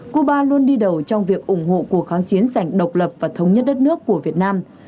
cuba luôn đi đầu trong việc ủng hộ cuộc kháng chiến sảnh độc lập và thống nhất đất nước của việt nam